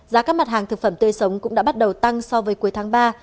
giá các mặt hàng thực phẩm tươi sống cũng đã bắt đầu tăng so với cuối tháng ba